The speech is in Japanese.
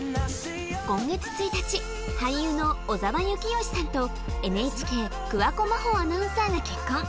今月１日俳優の小澤征悦さんとＮＨＫ桑子真帆アナウンサーが結婚